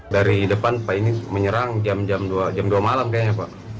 dari depan pak ini menyerang jam dua jam dua malam kayaknya pak